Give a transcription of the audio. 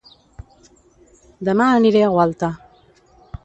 Dema aniré a Gualta